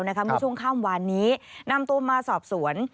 เมื่อช่วงข้ามวานนี้นำตัวมาสอบสวน